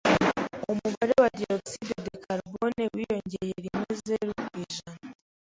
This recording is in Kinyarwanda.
Umubare wa dioxyde de carbone wiyongereyeho rimwezeru ku ijana.